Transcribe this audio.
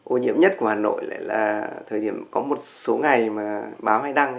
ô nhiễm nhất của hà nội lại là thời điểm có một số ngày mà báo hay đăng